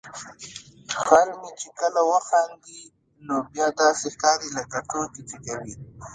خر مې چې کله وخاندي نو بیا داسې ښکاري لکه ټوکې چې کوي.